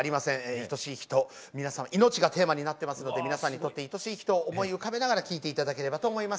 愛しい人皆様命がテーマになってますので皆さんにとって愛しい人を思い浮かべながら聴いて頂ければと思います。